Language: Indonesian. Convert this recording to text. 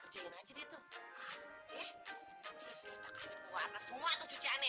kita kasih warna semua tuh cuciannya